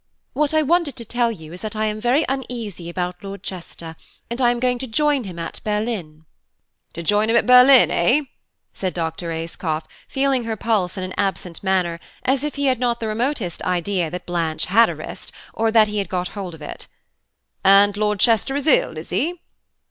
"What I wanted to tell you is that I am very uneasy about Lord Chester, and I am going to join him at Berlin." "To join him at Berlin, eh?" said Dr. Ayscough, feeling her pulse in an absent manner, as if he had not the remotest idea that Blanche had a wrist, or that he had got hold of it. "And Lord Chester is ill, is he?"